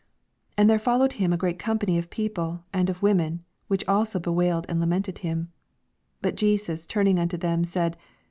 27 And there followed him a great company of people, and of women, which also bewailed and lamented him. • 28 But Jesus turning anto them, said.